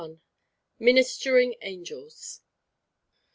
XXXI. Ministering Angels.